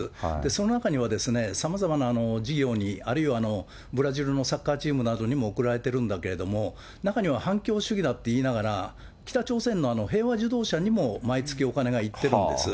その中にはさまざまな事業に、あるいはブラジルのサッカーチームなどにも送られてるんだけれども、中には反共主義だって言いながら、北朝鮮のへいわ自動車にも毎月お金がいってるんです。